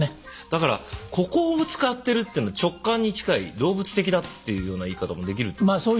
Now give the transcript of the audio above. だからここを使ってるっていうのは直感に近い動物的だっていうような言い方もできるっていうことですか。